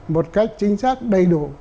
một cách chính xác đầy đủ